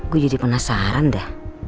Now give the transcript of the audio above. gue jadi penasaran dah